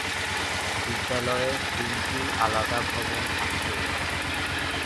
বিদ্যালয়ের তিনটি আলাদা ভবন আছে।